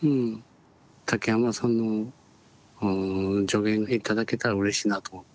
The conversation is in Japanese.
竹山さんの助言頂けたらうれしいなと思って。